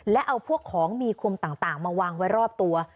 และเอาพวกของมีคมต่างมาวางไว้รอบตัว